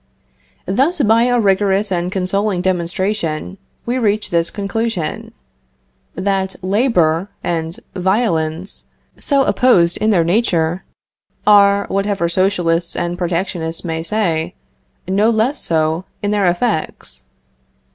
Thus, by a rigorous and consoling demonstration, we reach this conclusion: That labor and violence, so opposed in their nature, are, whatever socialists and protectionists may say, no less so in their effects.